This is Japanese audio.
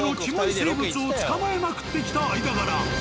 生物を捕まえまくってきた間柄。